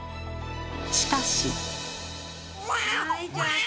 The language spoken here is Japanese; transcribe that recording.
しかし。